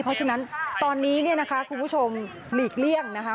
เพราะฉะนั้นตอนนี้เนี่ยนะคะคุณผู้ชมหลีกเลี่ยงนะคะ